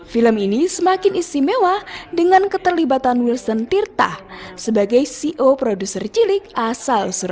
film ini semakin istimewa dengan keterlibatan wilson tirta sebagai ceo produser cilik asal surabaya